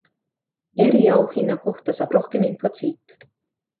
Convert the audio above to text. Eriauhinna kohta saab rohkem infot siit.